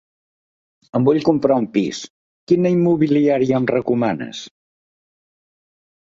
Em vull comprar un pis, quina immobiliària em recomanes?